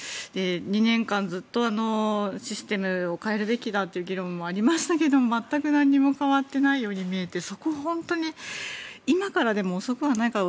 ２年間ずっとシステムを変えるべきだという議論もありましたけど全く何も変わっていないように見えてそこを本当に今からでも遅くはないから